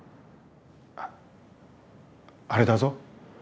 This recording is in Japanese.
ああれだぞ。